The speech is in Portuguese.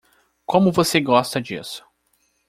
Como você gosta disso?